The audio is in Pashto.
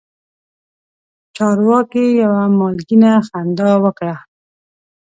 چارواکي یوه مالګینه خندا وکړه.